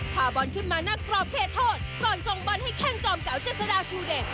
พาบอลขึ้นมาหน้ากรอบเขตโทษก่อนส่งบอลให้แข้งจอมสาวเจษฎาชูเดช